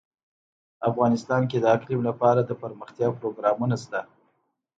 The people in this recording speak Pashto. افغانستان کې د اقلیم لپاره دپرمختیا پروګرامونه شته.